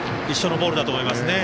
一緒のボールだと思います。